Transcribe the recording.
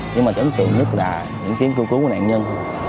nhưng mà tiếp tục nhất là những tiếng cứu cứu của nạn nhân